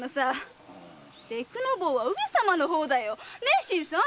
“デクの坊”は上様の方だよ！ね新さん？